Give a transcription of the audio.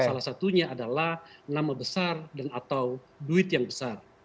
salah satunya adalah nama besar dan atau duit yang besar